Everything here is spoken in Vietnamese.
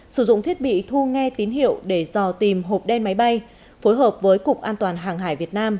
sử dụng thiết bị thu nghe tín hiệu để dò tìm hộp đen máy bay phối hợp với cục an toàn hàng hải việt nam